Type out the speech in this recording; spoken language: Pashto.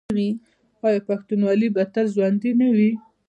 آیا پښتونولي به تل ژوندي نه وي؟